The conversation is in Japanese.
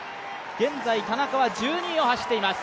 現在、田中は１２位を走っています。